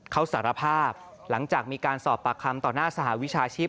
เขาสารภาพหลังจากมีการสอบปากคำต่อหน้าสหวิชาชีพ